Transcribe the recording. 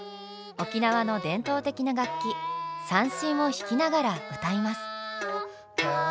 沖縄の伝統的な楽器三線を弾きながら歌います。